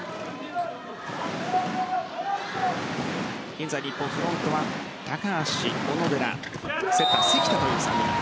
現在、日本フロントは高橋、小野寺セッター・関田という３人。